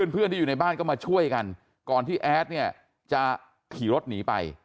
เพื่อนที่อยู่ในบ้านก็มาช่วยกันก่อนที่แอดเนี่ยจะขี่รถหนีไป